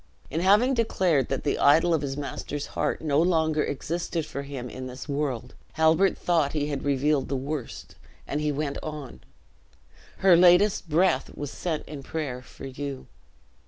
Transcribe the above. In having declared that the idol of his master's heart no longer existed for him in this world, Halbert thought he had revealed the worst, and he went on. "Her latest breath was sent in prayer for you.